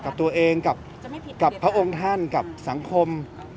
กับตัวเองกับพระองค์ท่านกับสังคม